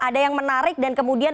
ada yang menarik dan kemudian